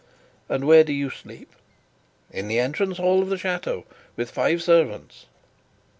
"And where do you sleep?" "In the entrance hall of the chateau, with five servants."